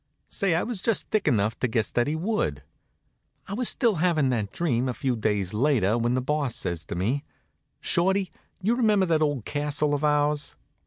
Say, I was just thick enough to guess that he would. I was still havin' that dream, a few days later, when the Boss says to me: "Shorty, you remember that old castle of ours?"